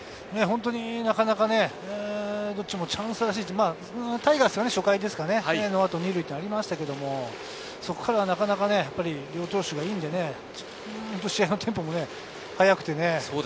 なかなかどちらもチャンスらしいというか、タイガースは初回ノーアウト２塁もありましたがそこからなかなか両投手いいので、試合のテンポも早くてね。